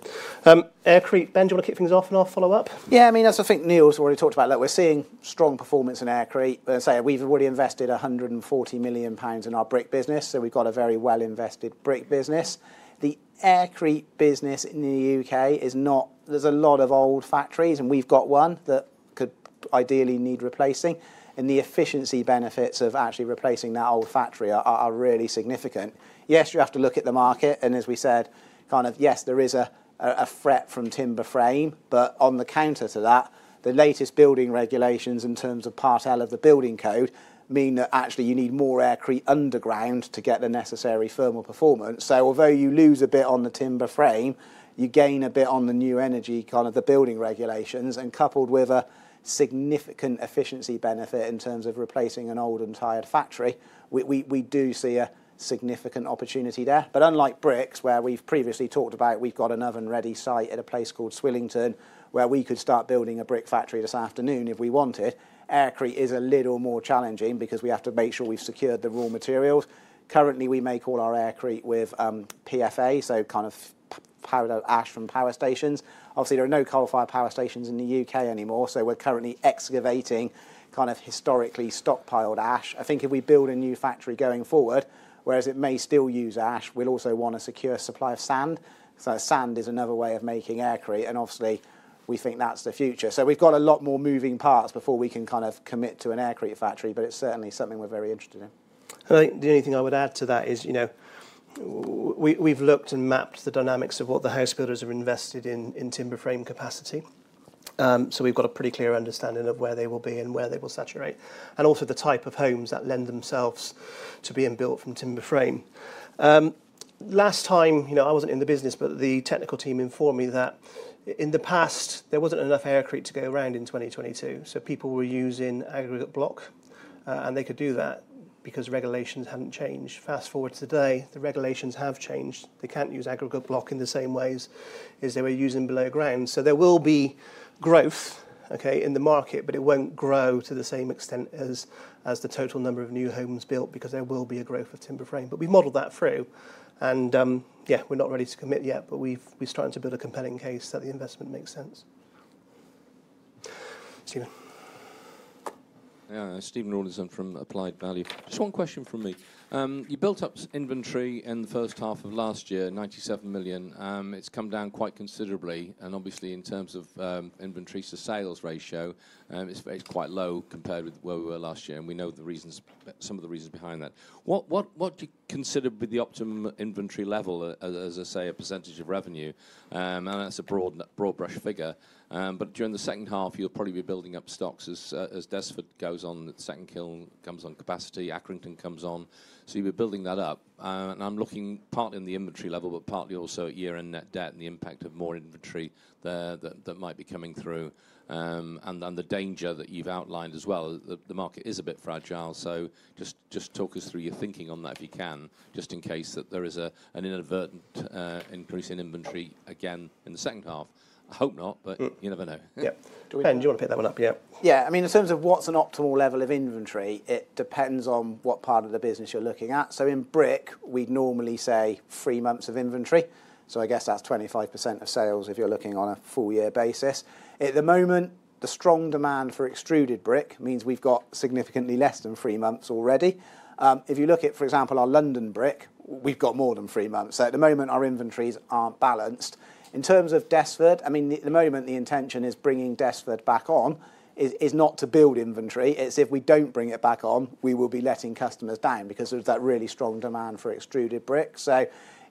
Aircrete. Benjamin, do you want to kick things off and I'll follow up? Yeah, I mean, as I think Neil's already talked about, we're seeing strong performance in aircrete. We've already invested £140 million in our brick business, so we've got a very well invested brick business. The aircrete business in the UK is not. There's a lot of old factories, and we've got one that could ideally need replacing. The efficiency benefits of actually replacing that old factory are really significant. You have to look at the market, and as we said, yes, there is a threat from timber frame, but on the counter to that, the latest building regulations in terms of part of the building code mean that actually you need more aircrete underground to get the necessary thermal performance. Although you lose a bit on the timber frame, you gain a bit on the new energy kind of the building regulations. Coupled with a significant efficiency benefit in terms of replacing an old and tired factory, we do see a significant opportunity there. Unlike bricks, where we've previously talked about, we've got an oven-ready site at a place called Swillington where we could start building a brick factory this afternoon if we wanted. Aircrete is a little more challenging because we have to make sure we've secured the raw materials. Currently, we make all our aircrete with PFA, so kind of ash from power stations. Obviously, there are no coal-fired power stations in the UK anymore, so we're currently excavating kind of historically stockpiled ash. I think if we build a new factory going forward, whereas it may still use ash, we'll also want a secure supply of sand. Sand is another way of making aircrete, and obviously we think that's the future. We've got a lot more moving parts before we can kind of commit to an aircrete factory, but it's certainly something we're very interested in. The only thing I would add to that is, you know, we've looked and mapped the dynamics of what the house builders are invested in timber frame capacity. We've got a pretty clear understanding of where they will be and where they will saturate and also the type of homes that lend themselves to being built from timber frame. Last time I wasn't in the business, but the technical team informed me that in the past there wasn't enough aircrete to go around in 2022. People were using aggregate block and they could do that because regulations hadn't changed. Fast forward. Today the regulations have changed. They can't use aggregate block in the same ways as they were using below ground. There will be growth in the market, but it won't grow to the same extent as the total number of new homes built because there will be a growth of timber frame. We've modeled that. We're not ready to commit yet, but we're starting to build a compelling case that the investment makes sense. Tina Stephen Rodinson from Applied Value. Just one question from me. You built up inventory in the first half of last year, £97 million. It's come down quite considerably and obviously in terms of inventories to sales ratio, it's quite low compared with where we were last year. We know some of the reasons behind that. What is considered the optimum inventory level, as I say, a percentage of revenue, and that's a broad brush figure. During the second half you'll probably be building up stocks as Desford goes on. Second kiln comes on, capacity, Accrington comes on. You'll be building that up. I'm looking partly in the inventory level, but partly also at year end net debt and the impact of more inventory that might be coming through. The danger that you've outlined as, the market is a bit fragile. Just talk us through your thinking on that if you can, just in case that there is an inadvertent increase in inventory again in the second half. I hope not, but you never know. Do you want to pick that one up? Yeah, yeah. I mean, in terms of what's an optimal level of inventory, it depends on what part of the business you're looking at. In brick, we'd normally say three months of inventory, so I guess that's 25% of sales if you're looking on a full year basis. At the moment, the strong demand for extruded brick means we've got significantly less than three months already. If you look at, for example, London Brick, we've got more than three months. At the moment our inventories aren't balanced in terms of Desford. The intention is bringing Desford back on is not to build inventory; if we don't bring it back on, we will be letting customers down because there's that really strong demand for extruded brick.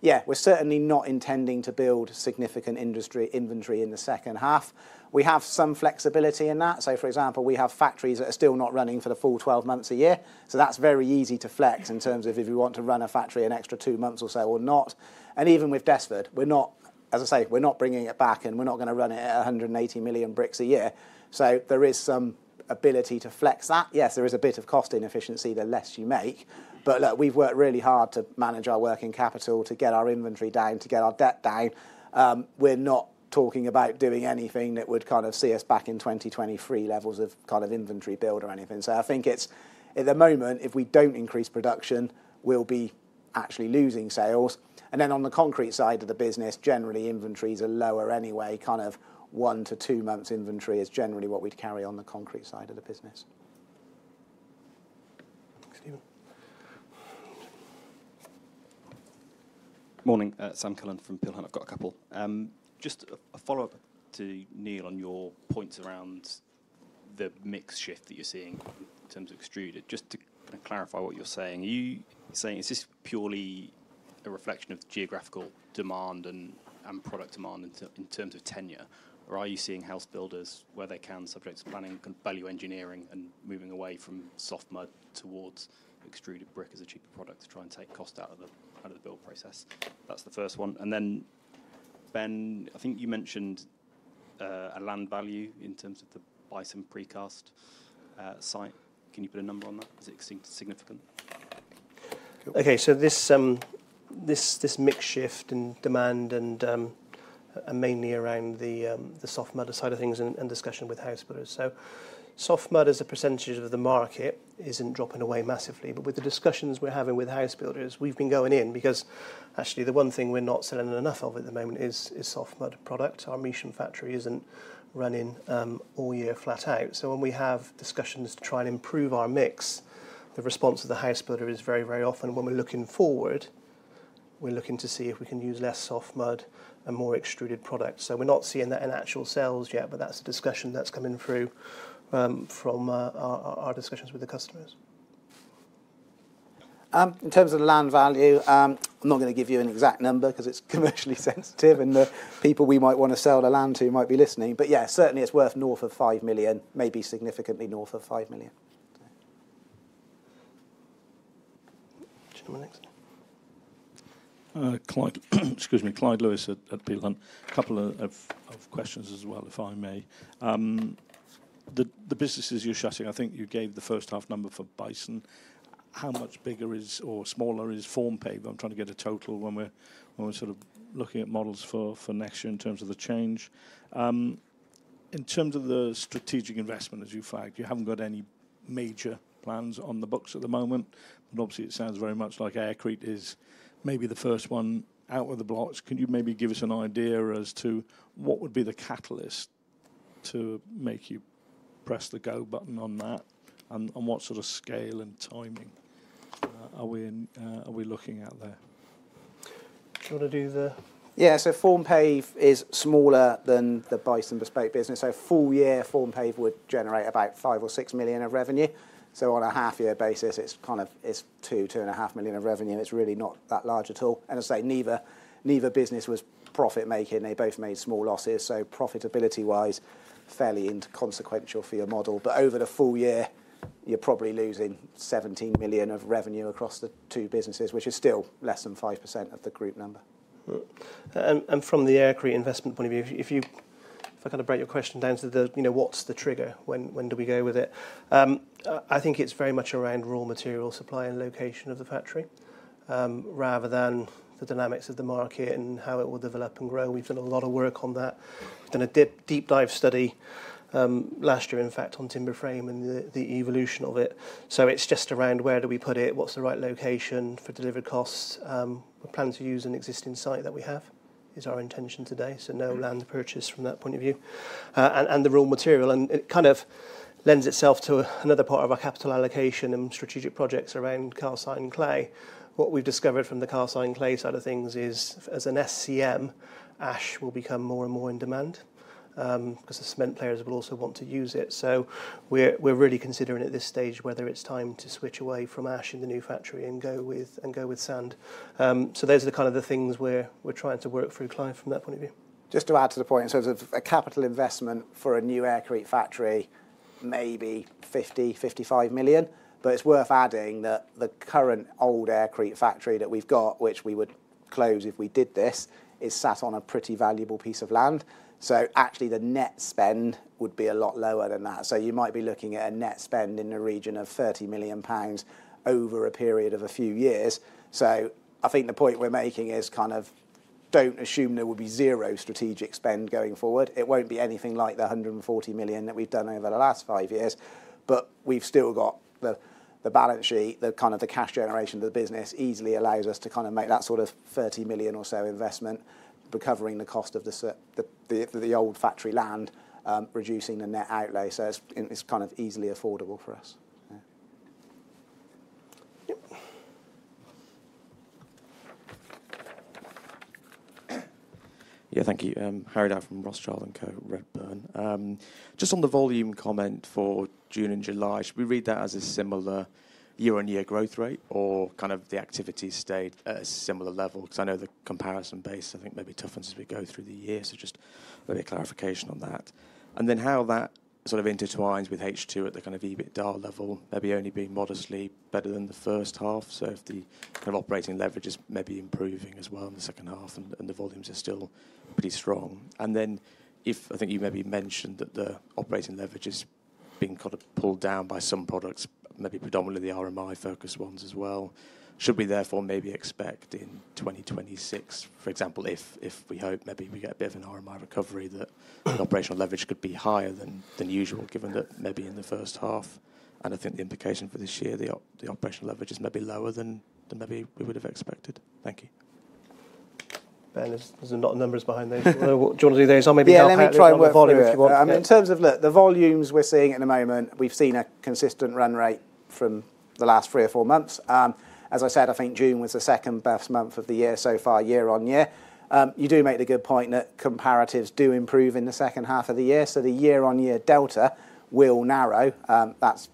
We're certainly not intending to build significant inventory in the second half. We have some flexibility in that. For example, we have factories that are still not running for the full 12 months a year, so that's very easy to flex in terms of if you want to run a factory an extra two months or not. Even with Desford, as I say, we're not bringing it back and we're not going to run it at 180 million bricks a year. There is some ability to flex that. Yes, there is a bit of cost inefficiency the less you make, but we've worked really hard to manage our working capital to get our inventory down, to get our debt down. We're not talking about doing anything that would see us back in 2023 levels of inventory build or anything. I think at the moment, if we don't increase production, we'll be actually losing sales. On the concrete side of the business, generally inventories are lower anyway, kind of one to two months inventory is generally what we'd carry on the concrete side of the business. Stephen. Morning. Sam Cullen from Peel Hunt. I've got a couple. Just a follow-up to Neil on your points around the mix shift that you're seeing in terms of extruded. Just to clarify what you're saying, are you saying is this purely a reflection of geographical demand and product demand in terms of tenure, or are you seeing house builders where they can, subject to planning, value engineering and moving away from soft mud towards extruded brick as a cheaper product to try and take cost out of the build process? That's the first one. Ben, I think you mentioned a land value in terms of the Bison Bespoke Precast site. Can you put a number on that? Is it significant? Okay, this mix shift in demand and mainly around the soft mud side of things and discussion with house builders. Soft mud as a percentage of the market isn't dropping away massively, but with the discussions we're having with house builders, we've been going in because actually the one thing we're not selling enough of at the moment is soft mud. Our mission factory isn't running all year, flat out. When we have discussions to try and improve our mix, the response of the house builder is very, very often when we're looking forward, we're looking to see if we can use less soft mud and more extruded products. We're not seeing that in actual sales yet. That's discussion that's coming through from our discussions with the customers. In terms of land value, I'm not going to give you an exact number because it's commercially sensitive and the people we might want to sell the land to might be listening. It's certainly worth north of £5 million, maybe significantly north of £5 million. Next, Clyde Lewis at Peel Hunt. A couple of questions as well, if I may. The businesses you're shutting. I think you gave the first half number for Bison. How much bigger is or smaller is Formpave? I'm trying to get a total. When we're sort of looking at models for next year in terms of the change, in terms of the strategic investment, as you flagged, you haven't got any major plans on the books at the moment. Obviously it sounds very much like aircrete is maybe the first one out of the blocks. Can you maybe give us an idea as to what would be the catalyst to make it, you press the go button on that? And what sort of scale and timing are we looking at there? Do you want to do the. Yeah. Formpave is smaller than the Bison Bespoke Precast business. Full year Formpave would generate about £5 million or £6 million of revenue. On a half year basis, it's kind of £2 million, £2.5 million of revenue, and it's really not that large at all. Neither business was profit making. They both made small losses. Profitability wise, fairly inconsequential for your model. Over the year, you're probably losing £17 million of revenue across the two businesses, which is still less than 5% of the group number. From the Aircrete investment point of view, if I kind of break your question down to what's the trigger, when do we go with it, I think it's very much around raw material supply and location of the factory, rather than the dynamics of the market and how it will develop and grow. We've done a lot of work on that. We did a deep dive study last year, in fact, on timber frame and the evolution of it. It's just around where do we put it, what's the right location for delivery costs. We plan to use an existing site that we have, is our intention today, so no land purchase from that point of view and the raw material, and it kind of lends itself to another part of our capital allocation and strategic projects around Calcite and clay. What we've discovered from the calcite and clay side of things is as an SCM, ash will become more and more in demand because the cement players will also want to use it. We're really considering at this stage whether it's time to switch away from ash in the new factory and go with sand. Those are the kind of things we're trying to work through, Clive, from that point of view. Add to the point in terms of a capital investment for a new Aircrete factory, maybe £50 million, £55 million. It's worth adding that the current old Aircrete factory that we've got, which we would close if we did this, is sat on a pretty valuable piece of land. Actually, the net spend would be a lot lower than that. You might be looking at a net spend in the region of £30 million over a period of a few years. I think the point we're making is kind of don't assume there will be zero strategic spend going forward. It won't be anything like the £140 million that we've done over the last five years. We've still got the balance sheet. The kind of the cash generation of the business easily allows us to kind of make that sort of £30 million or so investment, recovering the cost of the old factory land, reducing the net outlay. It's kind of easily affordable for us. Thank you, Harry Dar from Rothschild and Co Redburn. Just on the volume comment for June and July, should we read that as a similar year on year growth rate or kind of the activity stayed at a similar level, because I know the comparison base, I think maybe toughens as we go through the year, clarification on that and then how that sort of intertwines with H2 at the kind of EBITDA level, maybe only being modestly better than the first half. If the kind of operating leverage is maybe improving as well in the second half and the volumes are still pretty strong, and then if I think you maybe mentioned that the operating leverage is being kind of pulled down by some products, maybe predominantly the RMI focused ones as well, should we therefore maybe expect in 2026, for example, if we hope maybe we get a bit of an RMI recovery, that operational leverage be higher than usual, given that maybe in the first half. I think the implication for this year the operational leverage is maybe lower than maybe we would have expected. Thank you, Ben. There's a lot of numbers behind there. Do you want to do those on? Maybe try and work in terms of, look, the volumes we're seeing at the moment, we've seen a consistent run rate from the last three or four months. As I said, I think June was the second best month of the year so far, year on year. You do make the good point that comparatives do improve in the second half of the year, so the year on year delta will narrow. That's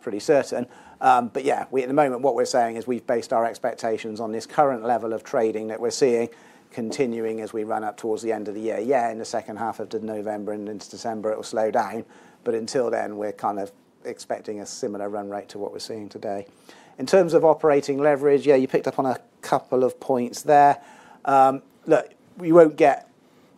pretty certain. At the moment what we're saying is we've based our expectations on this current level of trading that we're seeing continuing as we run up towards the end of the year. In the second half of November and into December, it'll slow down. Until then, we're kind of expecting a similar run rate to what we're seeing today in terms of operating leverage. You picked up on a couple of points there. We won't get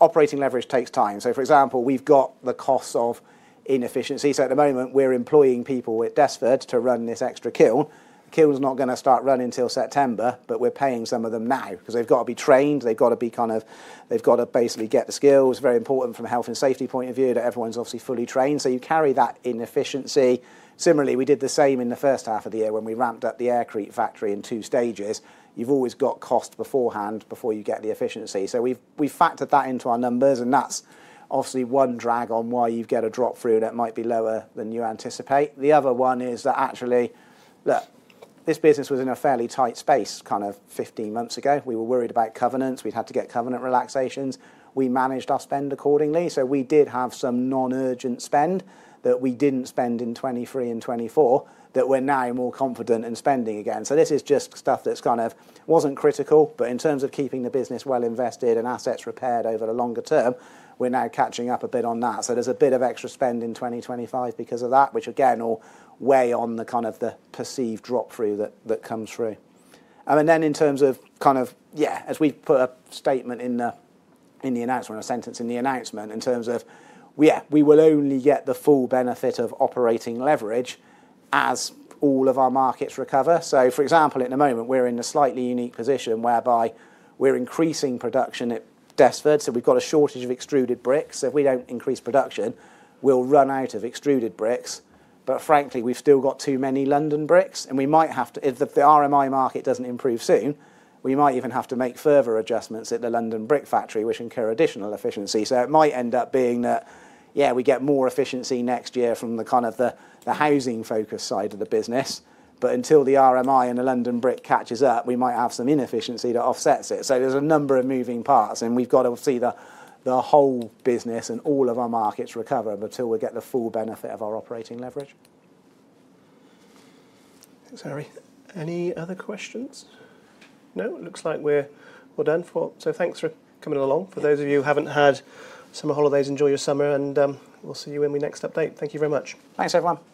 operating leverage, it takes time. For example, we've got the costs of inefficiency. At the moment we're employing people at Desford to run this extra kiln. Kiln's not going to start running until September, but we're paying some of them now because they've got to be trained. They've got to basically get the skills. Very important from a health and safety point of view that everyone's obviously fully trained, so you carry that inefficiency. Similarly, we did the same in the first half of the year when we ramped up the Aircrete factory in two stages. You've always got cost beforehand before you get the efficiency. We've factored that into our numbers and that's obviously one drag on why you get a drop through that might be lower than you anticipate. The other one is that actually, look, this business was in a fairly tight space kind of 15 months ago. We were worried about covenants. We'd had to get covenant relaxations. We managed our spend accordingly. We did have some non-urgent spend that we didn't spend in 2023 and 2024 that we're now more confident in spending again. This is just stuff that kind of wasn't critical, but in terms of keeping the business well invested and assets repaired over the longer term, we're now catching up a bit on that. There's a bit of extra spend in 2025 because of that, which again will weigh on the kind of the perceived drop through that comes through. In terms of, as we put a statement in the announcement, a sentence in the announcement in terms of, we will only get the full benefit of operating leverage as all of our markets recover. For example, at the moment we're in a slightly unique position whereby we're increasing production at Desford, so we've got a shortage of extruded bricks. If we don't increase production, we'll run out of extruded bricks. Frankly, we've still got too many London Bricks and we might have to, if the RMI market doesn't improve soon, we might even have to make further adjustments at the London Brick factory which incur additional efficiency. It might end up being that, yeah, we get more efficiency next year from the kind of the housing focus side of the business. Until the RMI and the London Brick catches up, we might have some inefficiency that offsets it. There are a number of moving parts and we've got to see the whole business and all of our markets recover until we get the full benefit of our operating leverage. Thanks, Harry. Any other questions? No, it looks like we're done for, so thanks for coming along. For those of you who haven't had summer holidays, enjoy your summer and we'll see you in the next update. Thank you very much. Thanks, everyone.